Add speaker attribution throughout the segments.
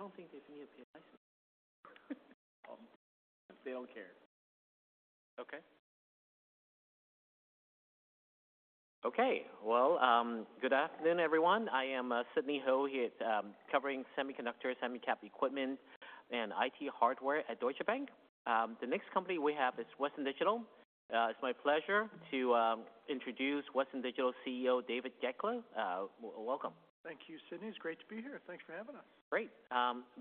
Speaker 1: Okay, well, good afternoon, everyone. I am Sidney Ho here at covering Semiconductor, SemiCap Equipment, and IT Hardware at Deutsche Bank. The next company we have is Western Digital. It's my pleasure to introduce Western Digital CEO, David Goeckeler. Welcome.
Speaker 2: Thank you, Sidney. It's great to be here. Thanks for having us.
Speaker 1: Great.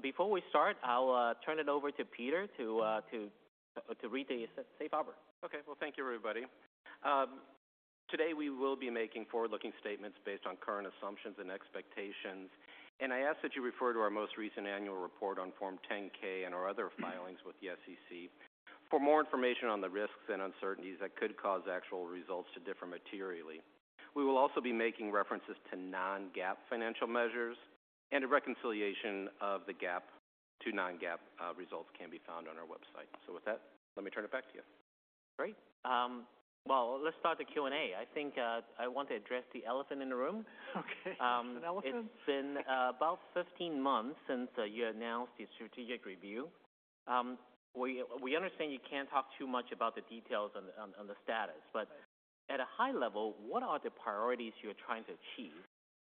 Speaker 1: Before we start, I'll turn it over to Peter to read the safe harbor.
Speaker 3: Okay. Well, thank you, everybody. Today we will be making forward-looking statements based on current assumptions and expectations. I ask that you refer to our most recent annual report on Form 10-K and our other filings with the SEC for more information on the risks and uncertainties that could cause actual results to differ materially. We will also be making references to non-GAAP financial measures, and a reconciliation of the GAAP to non-GAAP results can be found on our website. With that, let me turn it back to you.
Speaker 1: Great. Well, let's start the Q and A. I think, I want to address the elephant in the room.
Speaker 2: Okay, the elephant?
Speaker 1: It's been about 15 months since you announced the strategic review. We understand you can't talk too much about the details on the status-
Speaker 2: Right ...
Speaker 1: but at a high level, what are the priorities you're trying to achieve?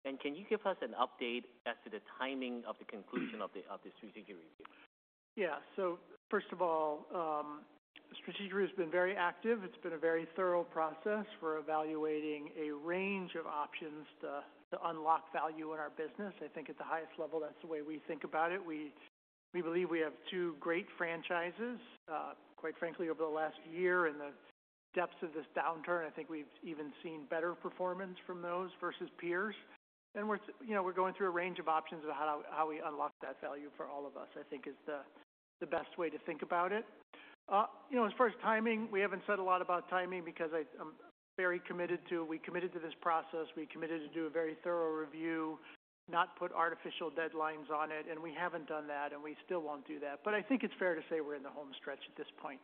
Speaker 1: And can you give us an update as to the timing of the conclusion of the strategic review?
Speaker 2: Yeah. So first of all, strategic review has been very active. It's been a very thorough process. We're evaluating a range of options to unlock value in our business. I think at the highest level, that's the way we think about it. We believe we have two great franchises. Quite frankly, over the last year, in the depths of this downturn, I think we've even seen better performance from those versus peers. And we're, you know, we're going through a range of options of how to—how we unlock that value for all of us, I think is the best way to think about it. You know, as far as timing, we haven't said a lot about timing because I, I'm very committed to... We committed to this process. We committed to do a very thorough review, not put artificial deadlines on it, and we haven't done that, and we still won't do that. But I think it's fair to say we're in the homestretch at this point,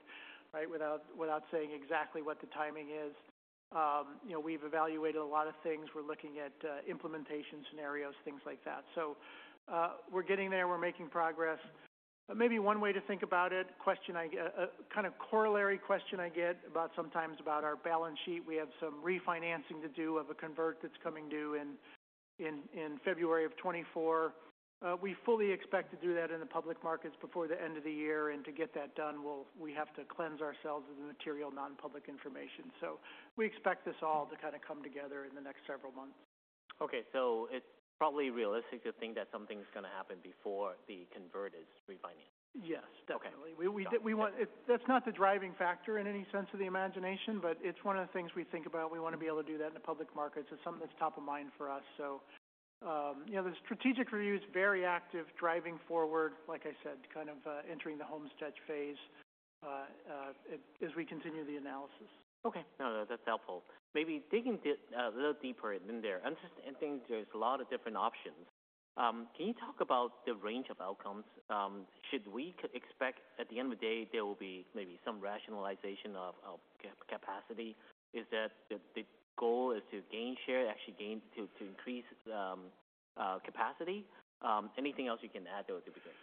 Speaker 2: right? Without saying exactly what the timing is. You know, we've evaluated a lot of things. We're looking at implementation scenarios, things like that. So, we're getting there. We're making progress, but maybe one way to think about it, a kind of corollary question I get sometimes about our balance sheet. We have some refinancing to do of a convert that's coming due in February 2024. We fully expect to do that in the public markets before the end of the year. And to get that done, we have to cleanse ourselves of the material, non-public information. We expect this all to kind of come together in the next several months.
Speaker 1: Okay, so it's probably realistic to think that something's going to happen before the convert refinancing?
Speaker 2: Yes, definitely.
Speaker 1: Okay.
Speaker 2: We want-
Speaker 1: Got it.
Speaker 2: That's not the driving factor in any sense of the imagination, but it's one of the things we think about. We want to be able to do that in the public markets. It's something that's top of mind for us. So, you know, the strategic review is very active, driving forward. Like I said, kind of, entering the homestretch phase, as we continue the analysis.
Speaker 1: Okay. No, no, that's helpful. Maybe digging a little deeper in there, understanding there's a lot of different options. Can you talk about the range of outcomes? Should we could expect at the end of the day, there will be maybe some rationalization of capacity? Is that the goal is to gain share, actually gain, to increase capacity? Anything else you can add to it would be great.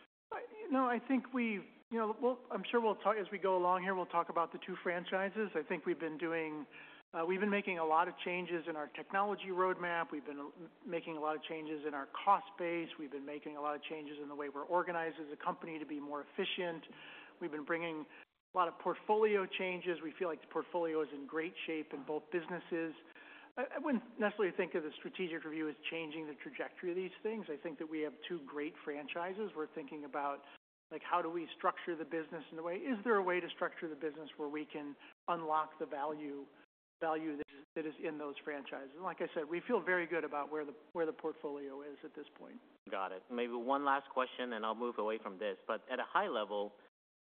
Speaker 2: You know, I think we've-- You know, we'll-- I'm sure we'll talk as we go along here, we'll talk about the two franchises. I think we've been doing... We've been making a lot of changes in our technology roadmap. We've been making a lot of changes in our cost base. We've been making a lot of changes in the way we're organized as a company to be more efficient. We've been bringing a lot of portfolio changes. We feel like the portfolio is in great shape in both businesses. I wouldn't necessarily think of the strategic review as changing the trajectory of these things. I think that we have two great franchises. We're thinking about, like, how do we structure the business in a way? Is there a way to structure the business where we can unlock the value, value that is, that is in those franchises? Like I said, we feel very good about where the, where the portfolio is at this point.
Speaker 1: Got it. Maybe one last question, and I'll move away from this. At a high level,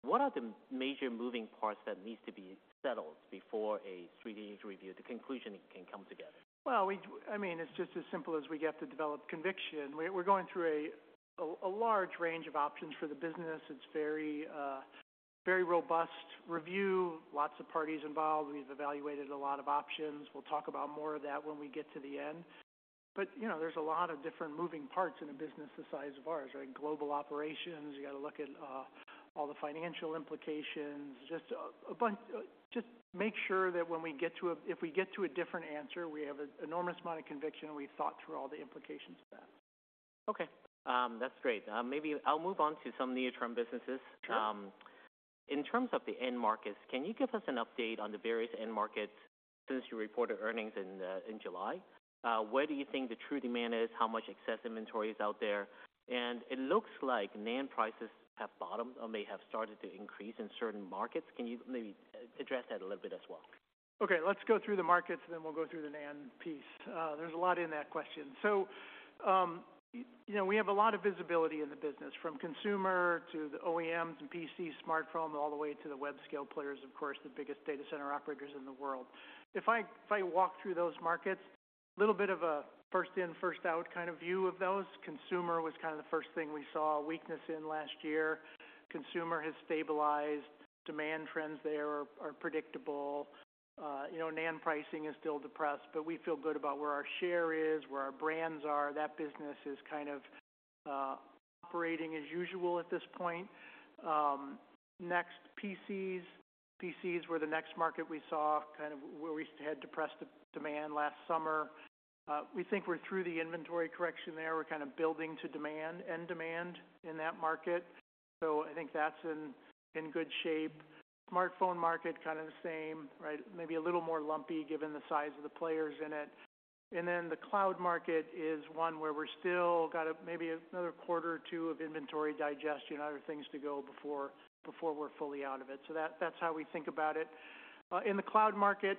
Speaker 1: what are the major moving parts that needs to be settled before a strategic review, the conclusion can come together?
Speaker 2: Well, I mean, it's just as simple as we get to develop conviction. We're going through a large range of options for the business. It's very, very robust review, lots of parties involved. We've evaluated a lot of options. We'll talk about more of that when we get to the end, but, you know, there's a lot of different moving parts in a business the size of ours, right? Global operations, you got to look at all the financial implications. Just make sure that when we get to if we get to a different answer, we have an enormous amount of conviction, and we've thought through all the implications of that.
Speaker 1: Okay, that's great. Maybe I'll move on to some near-term businesses.
Speaker 2: Sure.
Speaker 1: In terms of the end markets, can you give us an update on the various end markets since you reported earnings in July? Where do you think the true demand is? How much excess inventory is out there? And it looks like NAND prices have bottomed or may have started to increase in certain markets. Can you maybe address that a little bit as well?
Speaker 2: Okay, let's go through the markets, then we'll go through the NAND piece. There's a lot in that question. So, you know, we have a lot of visibility in the business, from consumer to the OEMs and PCs, smartphone, all the way to the web scale players, of course, the biggest data center operators in the world. If I walk through those markets, a little bit of a first in, first out kind of view of those. Consumer was kind of the first thing we saw a weakness in last year. Consumer has stabilized. Demand trends there are predictable. You know, NAND pricing is still depressed, but we feel good about where our share is, where our brands are. That business is kind of operating as usual at this point. Next, PCs. PCs were the next market we saw, kind of where we had depressed demand last summer. We think we're through the inventory correction there. We're kind of building to demand and demand in that market, so I think that's in good shape. Smartphone market, kind of the same, right? Maybe a little more lumpy, given the size of the players in it. And then the cloud market is one where we're still got maybe another quarter or two of inventory digestion, other things to go before we're fully out of it. So that's how we think about it. In the cloud market,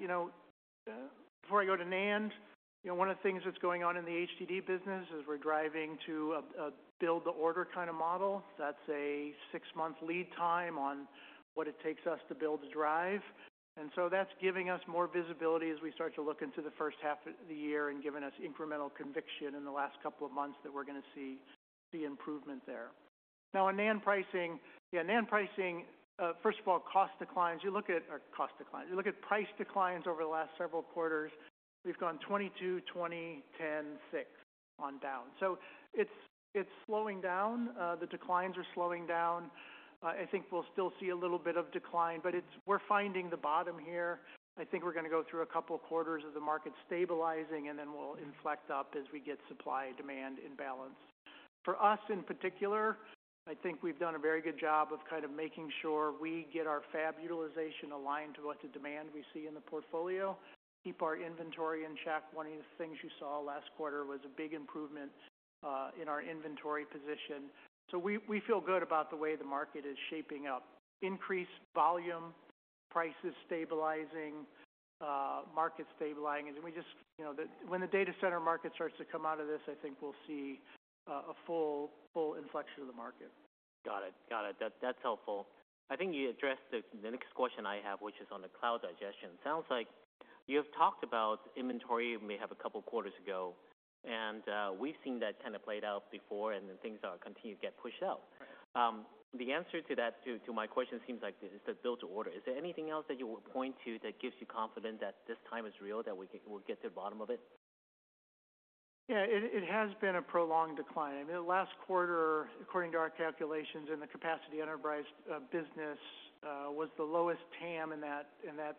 Speaker 2: you know, before I go to NAND, you know, one of the things that's going on in the HDD business is we're driving to a build-to-order kind of model. That's a six-month lead time on what it takes us to build a drive. And so that's giving us more visibility as we start to look into the first half of the year and giving us incremental conviction in the last couple of months that we're going to see improvement there. Now, on NAND pricing... Yeah, NAND pricing, first of all, cost declines. You look at our cost declines. You look at price declines over the last several quarters, we've gone 22%, 20%, 10%, 6% on down. So it's slowing down. The declines are slowing down. I think we'll still see a little bit of decline, but it's. We're finding the bottom here. I think we're going to go through a couple of quarters of the market stabilizing, and then we'll inflect up as we get supply and demand in balance. For us, in particular, I think we've done a very good job of kind of making sure we get our fab utilization aligned to what the demand we see in the portfolio, keep our inventory in check. One of the things you saw last quarter was a big improvement in our inventory position. So we feel good about the way the market is shaping up. Increased volume, prices stabilizing, market stabilizing. And we just, you know, when the data center market starts to come out of this, I think we'll see a full inflection of the market.
Speaker 1: Got it. Got it. That's helpful. I think you addressed the next question I have, which is on the cloud digestion. Sounds like you've talked about inventory, maybe a couple quarters ago, and we've seen that kind of played out before, and then things are continuing to get pushed out.
Speaker 2: Right.
Speaker 1: The answer to that, to my question, seems like it's the build-to-order. Is there anything else that you would point to that gives you confidence that this time is real, that we'll get to the bottom of it?
Speaker 2: Yeah, it has been a prolonged decline. I mean, last quarter, according to our calculations in the capacity enterprise business was the lowest TAM in that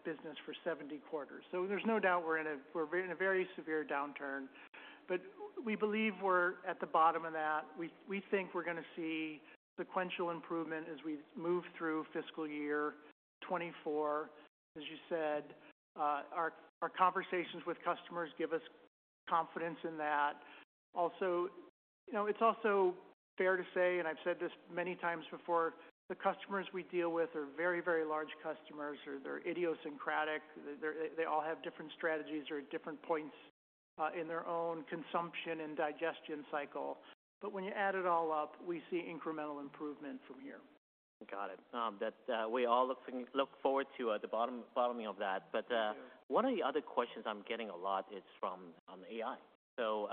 Speaker 2: business for 70 quarters. So there's no doubt we're in a very severe downturn, but we believe we're at the bottom of that. We think we're going to see sequential improvement as we move through fiscal year 2024. As you said, our conversations with customers give us confidence in that. Also, you know, it's also fair to say, and I've said this many times before, the customers we deal with are very, very large customers, or they're idiosyncratic. They all have different strategies or different points in their own consumption and digestion cycle. But when you add it all up, we see incremental improvement from here.
Speaker 1: Got it. That we all look forward to the bottoming of that.
Speaker 2: Sure.
Speaker 1: But, one of the other questions I'm getting a lot is from AI. So,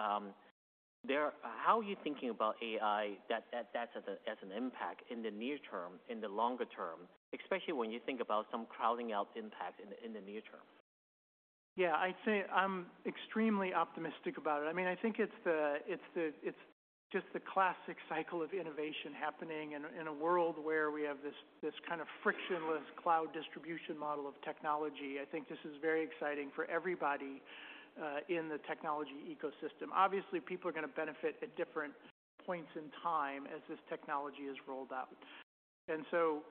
Speaker 1: there, how are you thinking about AI, that that's as an impact in the near term, in the longer term, especially when you think about some crowding out impact in the near term?
Speaker 2: Yeah, I'd say I'm extremely optimistic about it. I mean, I think it's just the classic cycle of innovation happening in a world where we have this kind of frictionless cloud distribution model of technology. I think this is very exciting for everybody in the technology ecosystem. Obviously, people are going to benefit at different points in time as this technology is rolled out. And so,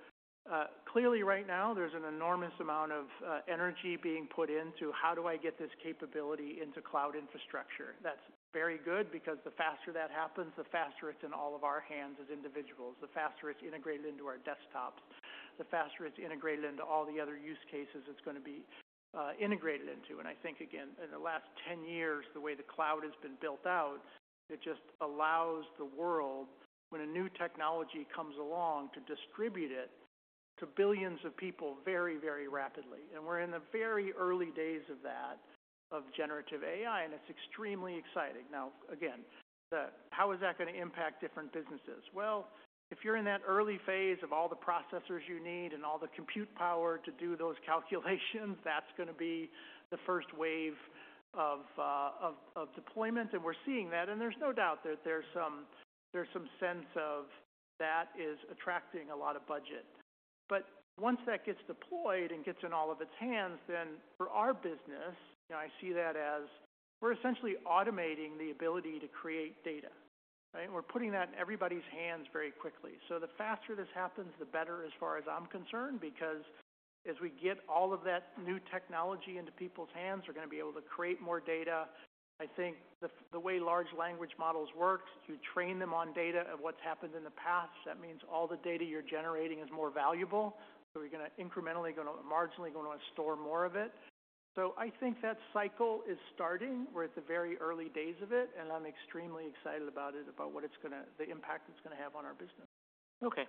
Speaker 2: clearly, right now, there's an enormous amount of energy being put into: How do I get this capability into cloud infrastructure? That's very good, because the faster that happens, the faster it's in all of our hands as individuals, the faster it's integrated into our desktops, the faster it's integrated into all the other use cases it's going to be integrated into. And I think, again, in the last 10 years, the way the cloud has been built out, it just allows the world, when a new technology comes along, to distribute it to billions of people very, very rapidly. And we're in the very early days of that, of generative AI, and it's extremely exciting. Now, again, the, how is that going to impact different businesses? Well, if you're in that early phase of all the processors you need and all the compute power to do those calculations, that's going to be the first wave of deployment, and we're seeing that. And there's no doubt that there's some sense of that is attracting a lot of budget. But once that gets deployed and gets in all of its hands, then for our business, I see that as we're essentially automating the ability to create data. Right? We're putting that in everybody's hands very quickly. So the faster this happens, the better, as far as I'm concerned, because as we get all of that new technology into people's hands, we're going to be able to create more data. I think the way large language models work, you train them on data of what's happened in the past. That means all the data you're generating is more valuable, so we're going to incrementally, marginally store more of it. So I think that cycle is starting. We're at the very early days of it, and I'm extremely excited about it, about what it's going to... the impact it's going to have on our business.
Speaker 1: Okay.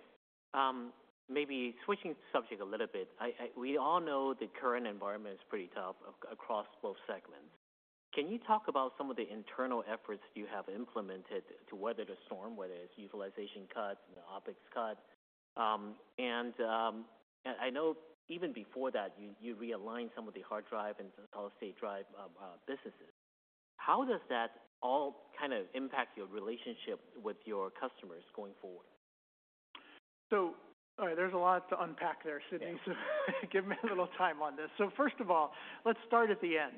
Speaker 1: Maybe switching subject a little bit. I, we all know the current environment is pretty tough across both segments. Can you talk about some of the internal efforts you have implemented to weather the storm, whether it's utilization cuts and the OpEx cuts? And I know even before that, you realigned some of the hard drive and solid-state drive businesses. How does that all kind of impact your relationship with your customers going forward?
Speaker 2: So, all right, there's a lot to unpack there, Sidney. Give me a little time on this. So first of all, let's start at the end.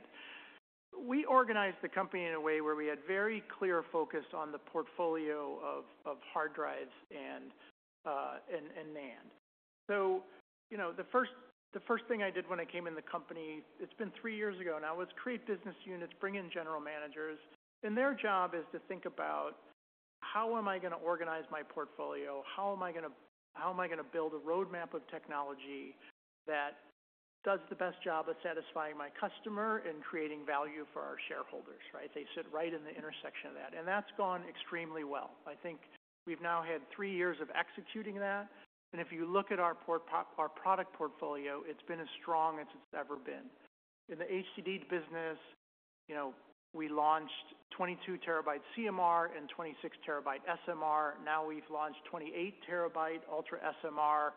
Speaker 2: We organized the company in a way where we had very clear focus on the portfolio of hard drives and NAND. So, you know, the first thing I did when I came in the company, it's been three years ago now, was create business units, bring in general managers, and their job is to think about: How am I going to organize my portfolio? How am I going to build a roadmap of technology that does the best job of satisfying my customer and creating value for our shareholders, right? They sit right in the intersection of that, and that's gone extremely well. I think we've now had three years of executing that, and if you look at our product portfolio, it's been as strong as it's ever been. In the HDD business, you know, we launched 22 TB CMR and 26 TB SMR. Now we've launched 28 TB UltraSMR.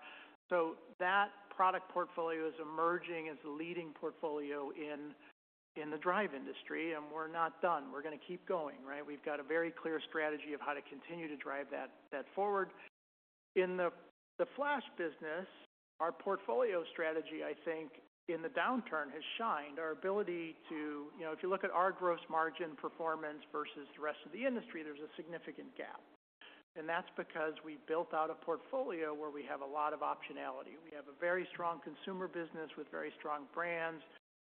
Speaker 2: So that product portfolio is emerging as the leading portfolio in, in the drive industry, and we're not done. We're going to keep going, right? We've got a very clear strategy of how to continue to drive that, that forward. In the, the flash business, our portfolio strategy, I think, in the downturn, has shined. Our ability to... You know, if you look at our gross margin performance versus the rest of the industry, there's a significant gap, and that's because we built out a portfolio where we have a lot of optionality. We have a very strong consumer business with very strong brands.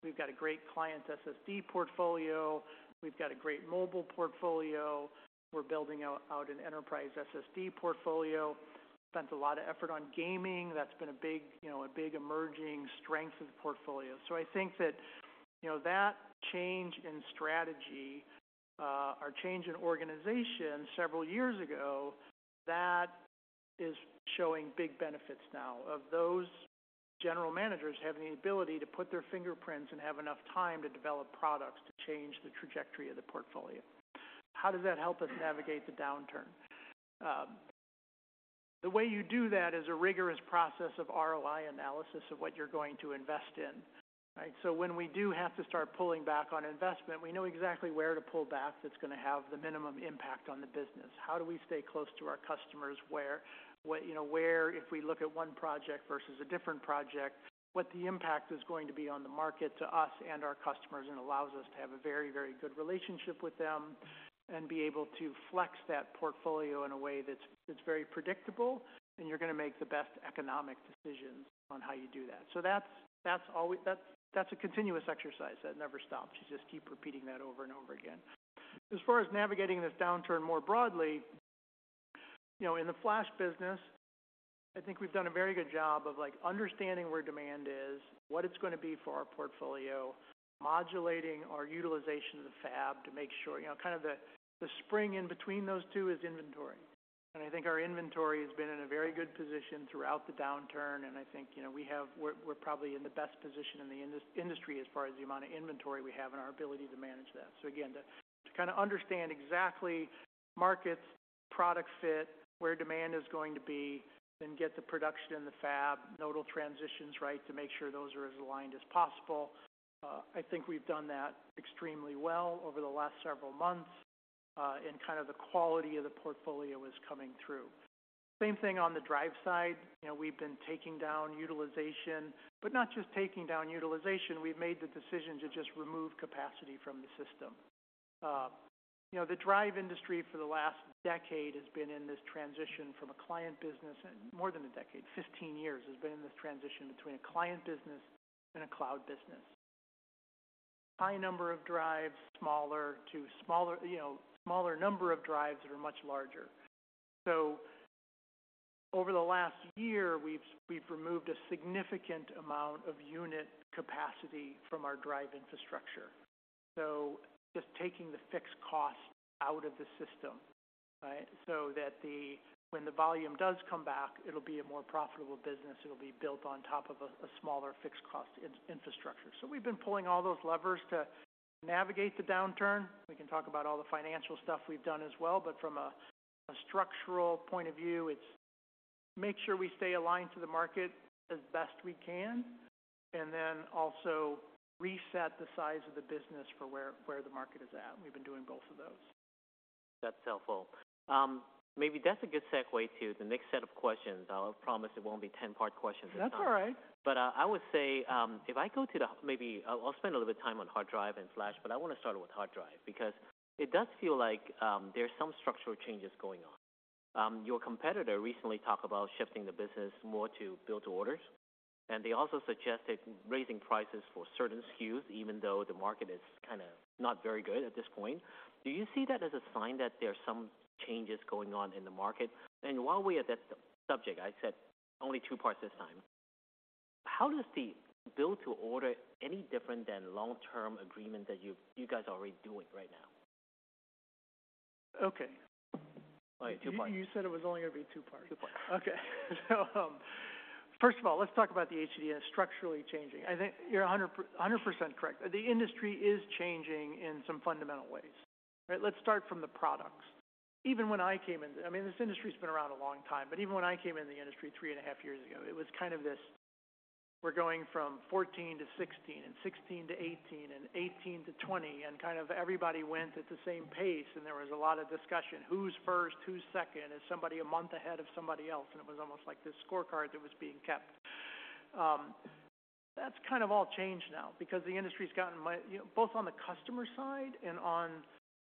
Speaker 2: We've got a great client SSD portfolio. We've got a great mobile portfolio. We're building out an enterprise SSD portfolio. Spent a lot of effort on gaming. That's been a big, you know, a big emerging strength of the portfolio. So I think that, you know, that change in strategy, our change in organization several years ago, that is showing big benefits now, of those general managers having the ability to put their fingerprints and have enough time to develop products to change the trajectory of the portfolio. How does that help us navigate the downturn? The way you do that is a rigorous process of ROI analysis of what you're going to invest in, right? So when we do have to start pulling back on investment, we know exactly where to pull back that's going to have the minimum impact on the business. How do we stay close to our customers? Where, what, you know, where if we look at one project versus a different project, what the impact is going to be on the market to us and our customers, and allows us to have a very, very good relationship with them and be able to flex that portfolio in a way that's, that's very predictable, and you're going to make the best economic decisions on how you do that. So that's, that's always. That's, that's a continuous exercise that never stops. You just keep repeating that over and over again. As far as navigating this downturn more broadly, you know, in the flash business, I think we've done a very good job of, like, understanding where demand is, what it's going to be for our portfolio, modulating our utilization of the fab to make sure, you know, kind of the spring in between those two is inventory. And I think our inventory has been in a very good position throughout the downturn, and I think, you know, we're probably in the best position in the industry as far as the amount of inventory we have and our ability to manage that. So again, to kind of understand exactly markets, product fit, where demand is going to be, then get the production in the fab, nodal transitions, right, to make sure those are as aligned as possible. I think we've done that extremely well over the last several months, and kind of the quality of the portfolio is coming through. Same thing on the drive side. You know, we've been taking down utilization, but not just taking down utilization. We've made the decision to just remove capacity from the system. You know, the drive industry for the last decade has been in this transition from a client business... More than a decade, 15 years, has been in this transition between a client business and a cloud business. High number of drives, smaller to smaller, you know, smaller number of drives that are much larger. So over the last year, we've removed a significant amount of unit capacity from our drive infrastructure. So just taking the fixed cost out of the system, right? So that when the volume does come back, it'll be a more profitable business. It'll be built on top of a smaller fixed cost infrastructure. So we've been pulling all those levers to navigate the downturn. We can talk about all the financial stuff we've done as well, but from a structural point of view, it's make sure we stay aligned to the market as best we can, and then also reset the size of the business for where the market is at. We've been doing both of those.
Speaker 1: That's helpful. Maybe that's a good segue to the next set of questions. I'll promise it won't be 10-part questions this time.
Speaker 2: That's all right.
Speaker 1: But, I would say, if I go to the... Maybe I'll, I'll spend a little bit of time on hard drive and flash, but I want to start with hard drive because it does feel like, there's some structural changes going on. Your competitor recently talked about shifting the business more to build to orders, and they also suggested raising prices for certain SKUs, even though the market is kind of not very good at this point. Do you see that as a sign that there are some changes going on in the market? And while we're at that sub-subject, I said only two parts this time. How does the build to order any different than long-term agreement that you, you guys are already doing right now?...
Speaker 2: Okay. You said it was only going to be two parts.
Speaker 1: Two parts.
Speaker 2: Okay, so, first of all, let's talk about the HDD structurally changing. I think you're 100, 100% correct. The industry is changing in some fundamental ways, right? Let's start from the products. Even when I came in, I mean, this industry has been around a long time, but even when I came in the industry three and a half years ago, it was kind of this, "We're going from 14 to 16, and 16 to 18, and 18 to 20," and kind of everybody went at the same pace, and there was a lot of discussion, "Who's first? Who's second? Is somebody a month ahead of somebody else?" And it was almost like this scorecard that was being kept. That's kind of all changed now because the industry's gotten, you know, both on the customer side and on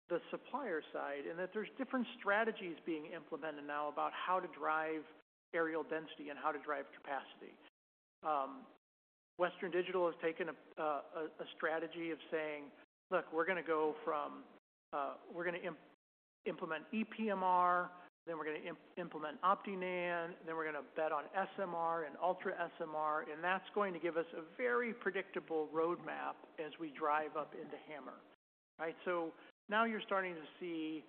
Speaker 2: the supplier side, and that there's different strategies being implemented now about how to drive areal density and how to drive capacity. Western Digital has taken a strategy of saying: "Look, we're going to go from... We're going to implement ePMR, then we're going to implement OptiNAND, then we're going to bet on SMR and ultra SMR, and that's going to give us a very predictable roadmap as we drive up into HAMR." Right? So now you're starting to see...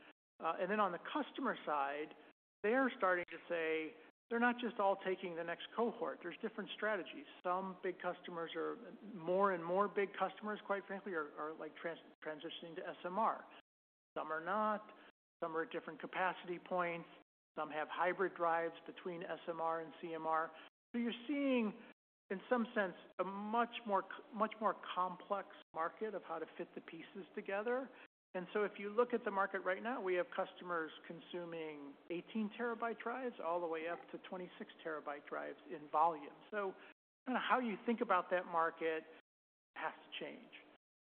Speaker 2: And then on the customer side, they are starting to say they're not just all taking the next cohort. There's different strategies. Some big customers are, more and more big customers, quite frankly, are like transitioning to SMR. Some are not. Some are at different capacity points. Some have hybrid drives between SMR and CMR. So you're seeing, in some sense, a much more complex market of how to fit the pieces together. And so if you look at the market right now, we have customers consuming 18 TB drives all the way up to 26 TB drives in volume. So how you think about that market has to change,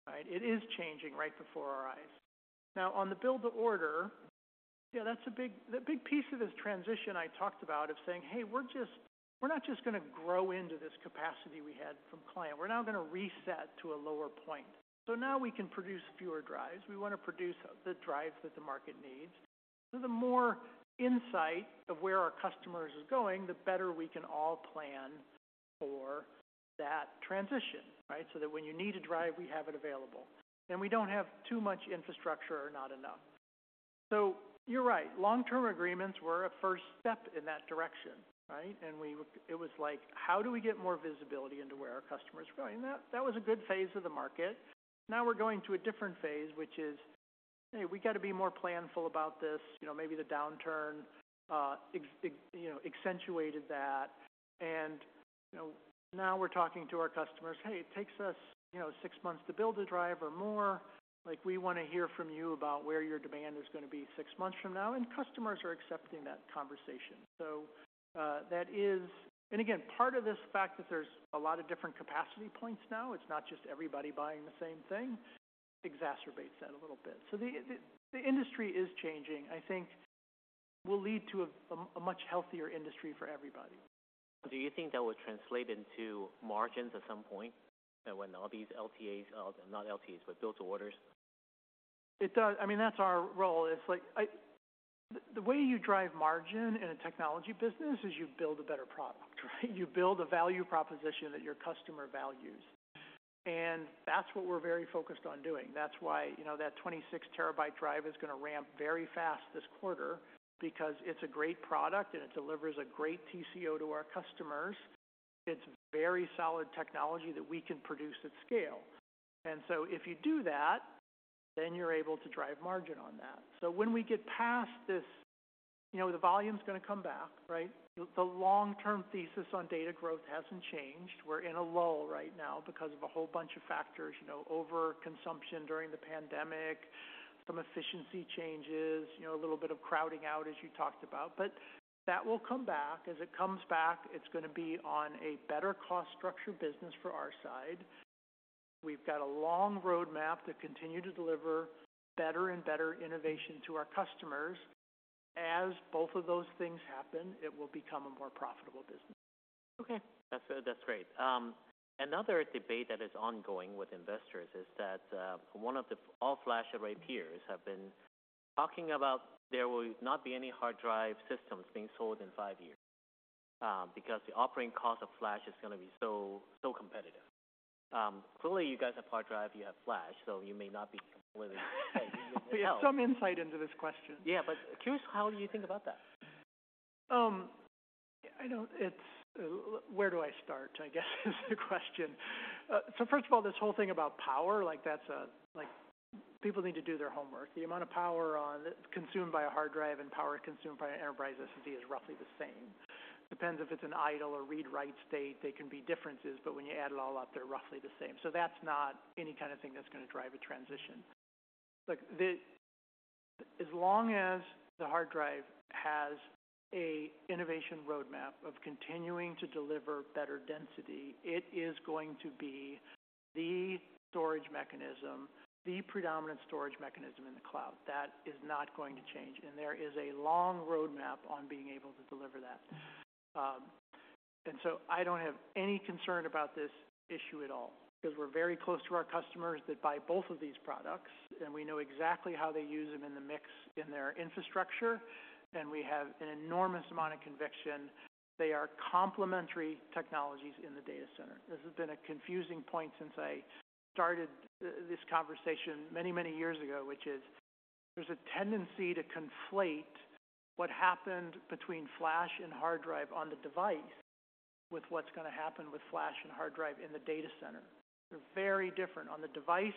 Speaker 2: right? It is changing right before our eyes. Now, on the build-to-order, yeah, that's a big... A big piece of this transition I talked about of saying: "Hey, we're just, we're not just going to grow into this capacity we had from client. We're now going to reset to a lower point. So now we can produce fewer drives. We want to produce the drives that the market needs." The more insight of where our customers is going, the better we can all plan for that transition, right? So that when you need a drive, we have it available, and we don't have too much infrastructure or not enough. So you're right, long-term agreements were a first step in that direction, right? And it was like: How do we get more visibility into where our customers are going? That, that was a good phase of the market. Now we're going to a different phase, which is, "Hey, we got to be more planful about this." You know, maybe the downturn, you know, accentuated that. And, you know, now we're talking to our customers, "Hey, it takes us, you know, six months to build a drive or more. Like, we want to hear from you about where your demand is going to be six months from now." And customers are accepting that conversation. So, that is... And again, part of this fact that there's a lot of different capacity points now, it's not just everybody buying the same thing, exacerbates that a little bit. So the industry is changing, I think, will lead to a much healthier industry for everybody.
Speaker 1: Do you think that will translate into margins at some point when all these LTAs, not LTAs, but build-to-orders?
Speaker 2: It does. I mean, that's our role. It's like the way you drive margin in a technology business is you build a better product, right? You build a value proposition that your customer values, and that's what we're very focused on doing. That's why, you know, that 26 TB drive is going to ramp very fast this quarter because it's a great product, and it delivers a great TCO to our customers. It's very solid technology that we can produce at scale. And so if you do that, then you're able to drive margin on that. So when we get past this, you know, the volume is going to come back, right? The long-term thesis on data growth hasn't changed. We're in a lull right now because of a whole bunch of factors, you know, overconsumption during the pandemic, some efficiency changes, you know, a little bit of crowding out, as you talked about, but that will come back. As it comes back, it's going to be on a better cost structure business for our side. We've got a long roadmap to continue to deliver better and better innovation to our customers. As both of those things happen, it will become a more profitable business.
Speaker 1: Okay, that's, that's great. Another debate that is ongoing with investors is that one of the all flash array peers have been talking about there will not be any hard drive systems being sold in five years, because the operating cost of flash is going to be so, so competitive. Clearly, you guys have hard drive, you have flash, so you may not be completely-
Speaker 2: We have some insight into this question.
Speaker 1: Yeah, but curious, how you think about that?
Speaker 2: It's where do I start, I guess, is the question. So first of all, this whole thing about power, like, that's a, like. People need to do their homework. The amount of power on, consumed by a hard drive and power consumed by an enterprise SSD is roughly the same. Depends if it's an idle or read-write state, there can be differences, but when you add it all up, they're roughly the same. So that's not any kind of thing that's going to drive a transition. Look. As long as the hard drive has a innovation roadmap of continuing to deliver better density, it is going to be the storage mechanism, the predominant storage mechanism in the cloud. That is not going to change, and there is a long roadmap on being able to deliver that. So I don't have any concern about this issue at all because we're very close to our customers that buy both of these products, and we know exactly how they use them in the mix in their infrastructure. And we have an enormous amount of conviction they are complementary technologies in the data center. This has been a confusing point since I started this conversation many, many years ago, which is, there's a tendency to conflate what happened between flash and hard drive on the device with what's going to happen with flash and hard drive in the data center. They're very different. On the device,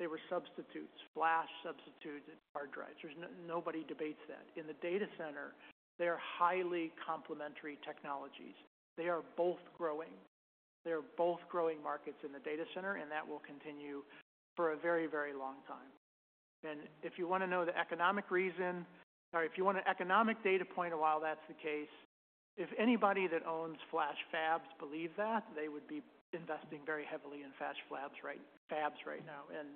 Speaker 2: they were substitutes, flash substitutes and hard drives. There's nobody debates that. In the data center, they are highly complementary technologies. They are both growing. They are both growing markets in the data center, and that will continue for a very, very long time. And if you want to know the economic reason, or if you want an economic data point of while that's the case, if anybody that owns flash fabs believed that, they would be investing very heavily in flash fabs right now, and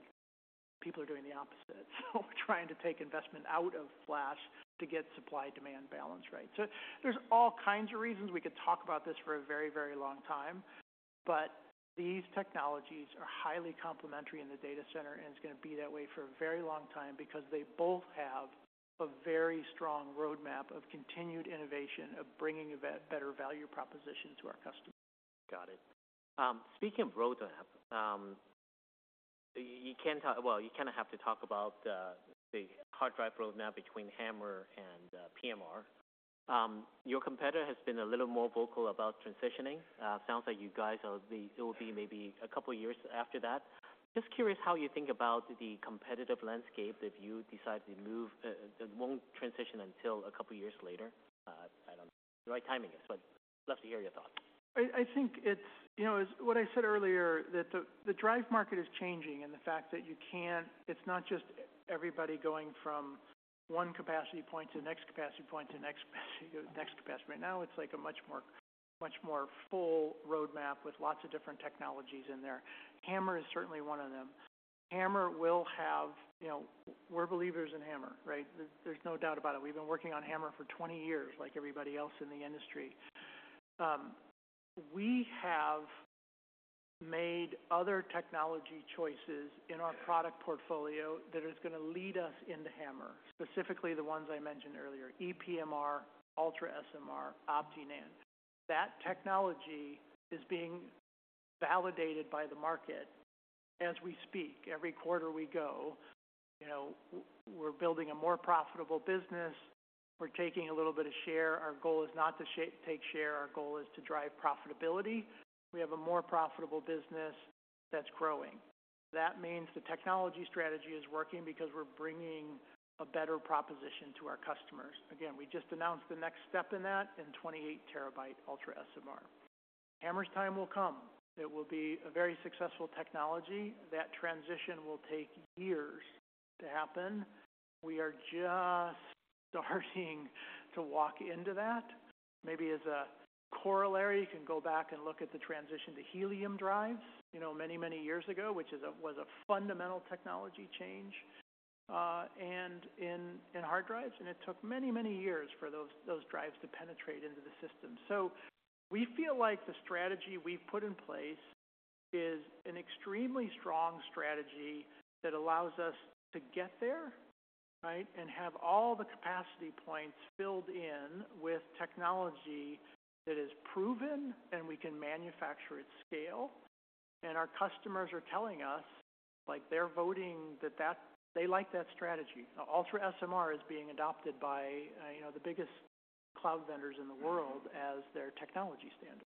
Speaker 2: people are doing the opposite. So we're trying to take investment out of flash to get supply-demand balance right. So there's all kinds of reasons. We could talk about this for a very, very long time, but these technologies are highly complementary in the data center, and it's going to be that way for a very long time because they both have a very strong roadmap of continued innovation, of bringing a better value proposition to our customers.
Speaker 1: Got it. Speaking of roadmap, you can't talk... Well, you kind of have to talk about the hard drive roadmap between HAMR and PMR. Your competitor has been a little more vocal about transitioning. Sounds like you guys are, it will be maybe a couple of years after that. Just curious how you think about the competitive landscape if you decide to move, that won't transition until a couple of years later? I don't know the right timing is, but love to hear your thoughts.
Speaker 2: I think it's, you know, as what I said earlier, that the drive market is changing, and the fact that you can't, it's not just everybody going from one capacity point to the next capacity point to the next capacity, to the next capacity. Right now, it's like a much more, much more full roadmap with lots of different technologies in there. HAMR is certainly one of them. HAMR will have, you know, we're believers in HAMR, right? There's no doubt about it. We've been working on HAMR for 20 years, like everybody else in the industry. We have made other technology choices in our product portfolio that is going to lead us into HAMR, specifically the ones I mentioned earlier, ePMR, UltraSMR, OptiNAND. That technology is being validated by the market as we speak. Every quarter we go, you know, we're building a more profitable business. We're taking a little bit of share. Our goal is not to take share. Our goal is to drive profitability. We have a more profitable business that's growing. That means the technology strategy is working because we're bringing a better proposition to our customers. Again, we just announced the next step in that, in 28 TB UltraSMR. HAMR's time will come. It will be a very successful technology. That transition will take years to happen. We are just starting to walk into that. Maybe as a corollary, you can go back and look at the transition to helium drives, you know, many, many years ago, which was a fundamental technology change, and in hard drives, and it took many, many years for those drives to penetrate into the system. So we feel like the strategy we've put in place is an extremely strong strategy that allows us to get there, right? And have all the capacity points filled in with technology that is proven, and we can manufacture at scale, and our customers are telling us, like, they're voting that they like that strategy. UltraSMR is being adopted by, you know, the biggest cloud vendors in the world as their technology standard.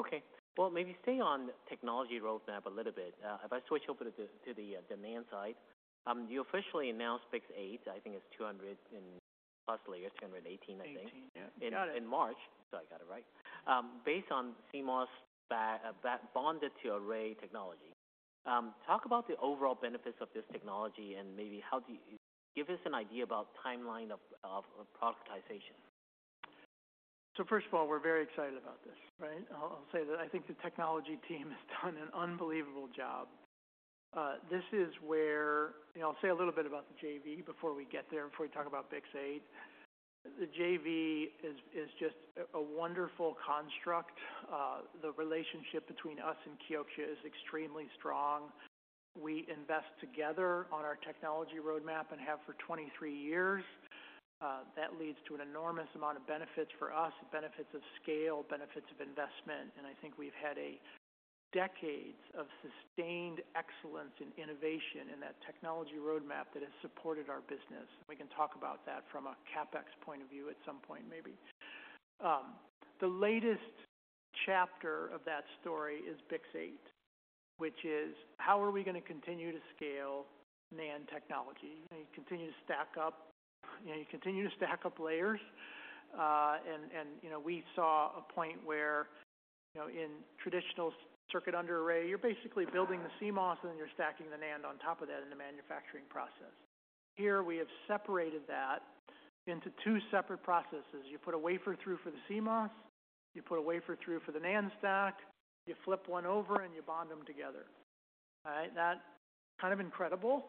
Speaker 1: Okay, well, maybe stay on technology roadmap a little bit. If I switch over to the demand side, you officially announced BiCS8. I think it's 200+ layers, 218, I think.
Speaker 2: 18, yeah. You got it.
Speaker 1: In March, so I got it right. Based on CMOS bonded to array technology, talk about the overall benefits of this technology and maybe how do you give us an idea about the timeline of productization.
Speaker 2: So first of all, we're very excited about this, right? I'll, I'll say that I think the technology team has done an unbelievable job. This is where... You know, I'll say a little bit about the JV before we get there, before we talk about BiCS8. The JV is just a wonderful construct. The relationship between us and Kioxia is extremely strong. We invest together on our technology roadmap and have for 23 years. That leads to an enormous amount of benefits for us, benefits of scale, benefits of investment, and I think we've had decades of sustained excellence in innovation in that technology roadmap that has supported our business. We can talk about that from a CapEx point of view at some point, maybe. The latest chapter of that story is BiCS8, which is, how are we going to continue to scale NAND technology and continue to stack up, you know, continue to stack up layers? And, you know, we saw a point where, you know, in traditional circuit under array, you're basically building the CMOS, and then you're stacking the NAND on top of that in the manufacturing process. Here, we have separated that into two separate processes. You put a wafer through for the CMOS, you put a wafer through for the NAND stack, you flip one over, and you bond them together. All right? That's kind of incredible.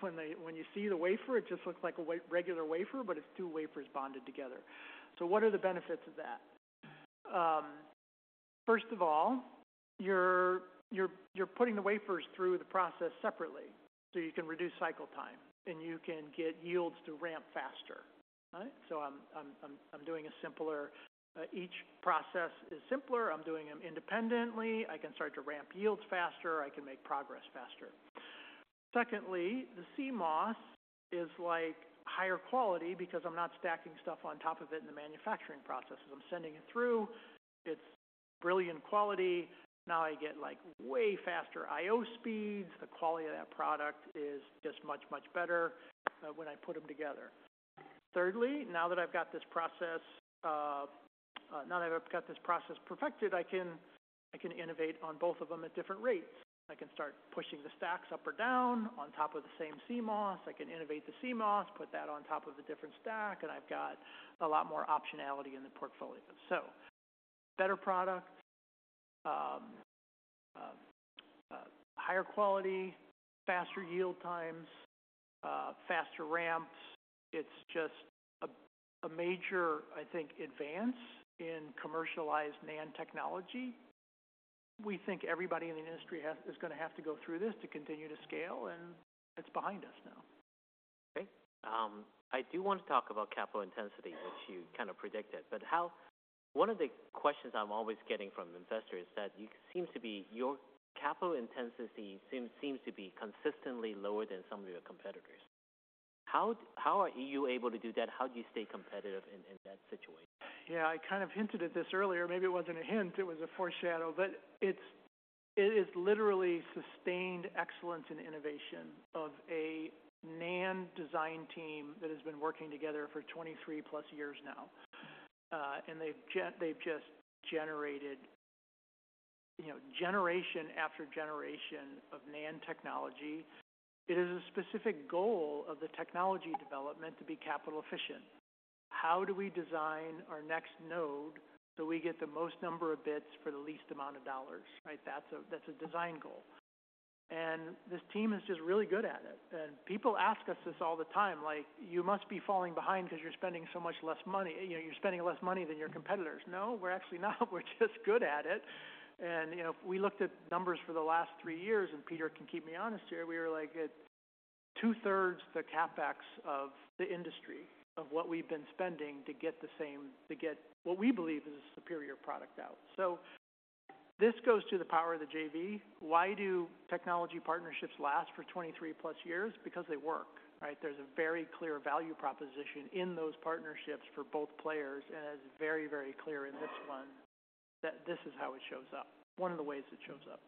Speaker 2: When you see the wafer, it just looks like a regular wafer, but it's two wafers bonded together. So what are the benefits of that? First of all, you're putting the wafers through the process separately, so you can reduce cycle time and you can get yields to ramp faster, right? So I'm doing a simpler, each process is simpler. I'm doing them independently. I can start to ramp yields faster. I can make progress faster. Secondly, the CMOS is, like, higher quality because I'm not stacking stuff on top of it in the manufacturing processes. I'm sending it through. It's brilliant quality. Now I get, like, way faster IO speeds. The quality of that product is just much, much better, when I put them together. Thirdly, now that I've got this process perfected, I can innovate on both of them at different rates. I can start pushing the stacks up or down on top of the same CMOS. I can innovate the CMOS, put that on top of a different stack, and I've got a lot more optionality in the portfolio. So better product, higher quality, faster yield times, faster ramps. It's just a major, I think, advance in commercialized NAND technology. We think everybody in the industry is going to have to go through this to continue to scale, and it's behind us now.
Speaker 1: Okay. I do want to talk about capital intensity, which you kind of predicted, but how... One of the questions I'm always getting from investors is that you seem to be, your capital intensity seem, seems to be consistently lower than some of your competitors. How, how are you able to do that? How do you stay competitive in, in that situation?
Speaker 2: Yeah, I kind of hinted at this earlier. Maybe it wasn't a hint, it was a foreshadow, but it's, it is literally sustained excellence in innovation of a NAND design team that has been working together for 23+ years now. And they've just generated, you know, generation after generation of NAND technology. It is a specific goal of the technology development to be capital efficient. How do we design our next node, so we get the most number of bits for the least amount of dollars, right? That's a, that's a design goal. And this team is just really good at it. And people ask us this all the time, like, "You must be falling behind because you're spending so much less money. You know, you're spending less money than your competitors." No, we're actually not. We're just good at it. You know, we looked at numbers for the last three years, and Peter can keep me honest here. We were, like, at 2/3 the CapEx of the industry, of what we've been spending to get the same, to get what we believe is a superior product out. So this goes to the power of the JV. Why do technology partnerships last for 23+ years? Because they work, right? There's a very clear value proposition in those partnerships for both players, and it's very, very clear in this one that this is how it shows up. One of the ways it shows up.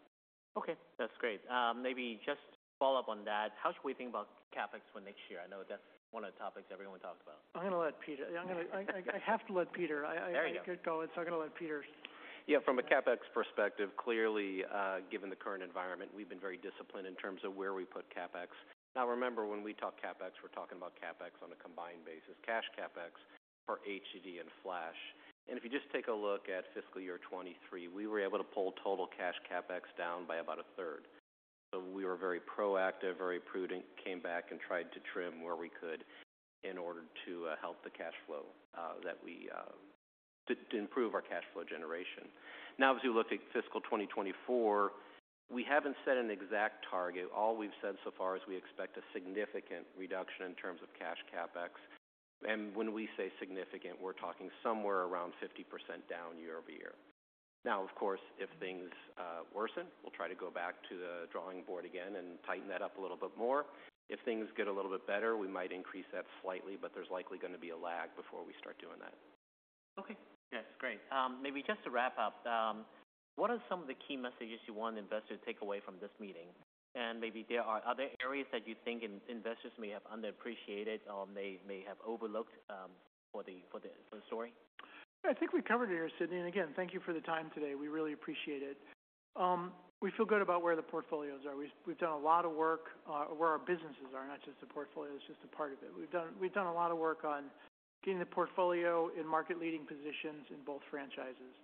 Speaker 1: Okay, that's great. Maybe just to follow up on that, how should we think about CapEx for next year? I know that's one of the topics everyone talks about.
Speaker 2: I'm going to let Peter. I'm gonna, I have to let Peter.
Speaker 1: There you go.
Speaker 2: I could go. I'm going to let Peter.
Speaker 3: Yeah, from a CapEx perspective, clearly, given the current environment, we've been very disciplined in terms of where we put CapEx. Now, remember, when we talk CapEx, we're talking about CapEx on a combined basis, cash CapEx for HDD and flash. And if you just take a look at fiscal year 2023, we were able to pull total cash CapEx down by about a 1/3. So we were very proactive, very prudent, came back and tried to trim where we could in order to help the cash flow that we to improve our cash flow generation. Now, as you look at fiscal 2024, we haven't set an exact target. All we've said so far is we expect a significant reduction in terms of cash CapEx. And when we say significant, we're talking somewhere around 50% down year-over-year. Now, of course, if things worsen, we'll try to go back to the drawing board again and tighten that up a little bit more. If things get a little bit better, we might increase that slightly, but there's likely going to be a lag before we start doing that.
Speaker 1: Okay, yes. Great. Maybe just to wrap up, what are some of the key messages you want investors to take away from this meeting? And maybe there are other areas that you think investors may have underappreciated or they may have overlooked, for the story?
Speaker 2: I think we covered it here, Sidney. And again, thank you for the time today. We really appreciate it. We feel good about where the portfolios are. We've done a lot of work where our businesses are, not just the portfolio, it's just a part of it. We've done a lot of work on getting the portfolio in market leading positions in both franchises,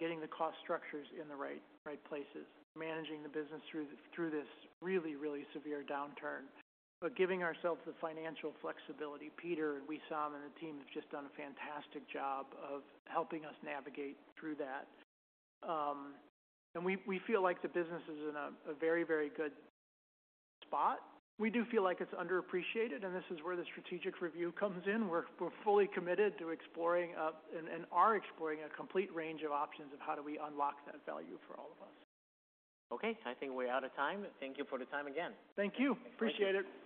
Speaker 2: getting the cost structures in the right places, managing the business through this really severe downturn, but giving ourselves the financial flexibility. Peter, Wissam, and the team have just done a fantastic job of helping us navigate through that. And we feel like the business is in a very good spot. We do feel like it's underappreciated, and this is where the strategic review comes in. We're fully committed to exploring and are exploring a complete range of options of how do we unlock that value for all of us.
Speaker 1: Okay, I think we're out of time. Thank you for the time again.
Speaker 2: Thank you. Appreciate it.